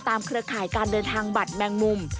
เครือข่ายการเดินทางบัตรแมงมุม